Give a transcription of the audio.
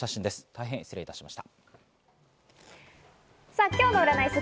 大変失礼いたしました。